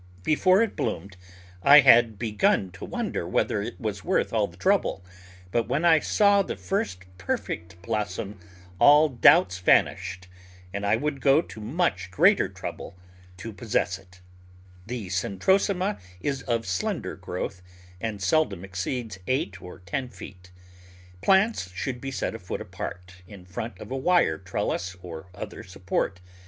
Before it bloomed I had begun to wonder whether it was worth all the trouble, but when I saw the first perfect blossom all doubts vanished and I would go to much greater trouble to possess it. Digitized by Google 132 The Flower Garden [Chapter The Centrosema is of slender growth, and seldom exceeds eight or ten feet. Plants should be set a foot apart in front of a wire trellis or other support.